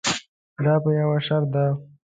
دا په یوه شرط ده.